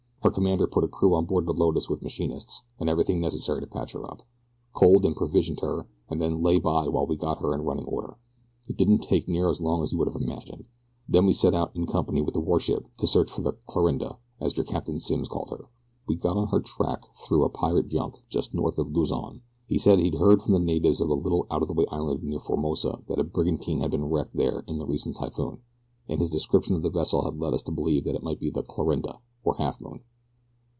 Her commander put a crew on board the Lotus with machinists and everything necessary to patch her up coaled and provisioned her and then lay by while we got her in running order. It didn't take near as long as you would have imagined. Then we set out in company with the warship to search for the 'Clarinda,' as your Captain Simms called her. We got on her track through a pirate junk just north of Luzon he said he'd heard from the natives of a little out of the way island near Formosa that a brigantine had been wrecked there in the recent typhoon, and his description of the vessel led us to believe that it might be the 'Clarinda,' or Halfmoon.